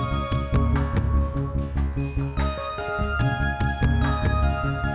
jadahin mau ngajak jajan